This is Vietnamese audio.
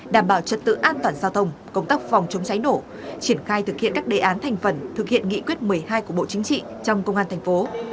đảm bảo trật tự an toàn giao thông công tác phòng chống cháy nổ triển khai thực hiện các đề án thành phần thực hiện nghị quyết một mươi hai của bộ chính trị trong công an thành phố